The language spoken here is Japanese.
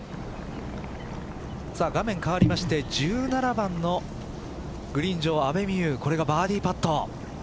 画面変わりまして１７番のグリーン上、阿部未悠これがバーディーパット。